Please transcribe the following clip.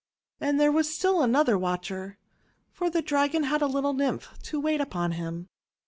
And there was still another watcher, for the Dragon had a little Nymph to wait upon him.